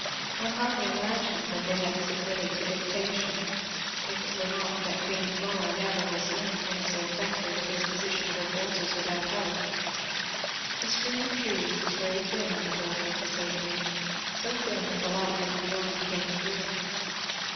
One hardly imagined that they had submitted to dictation, if it were not that Queen Flora never was known to make so effective a disposition of her forces without help. The screen of trees was very thin on the border of this opening, so thin that the light from beyond came through.